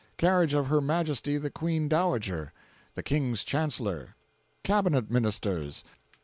Carriage of Her Majesty the Queen Dowager. The King's Chancellor. Cabinet Ministers.